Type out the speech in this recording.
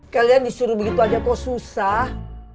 kalian disuruh begitu aja kok susah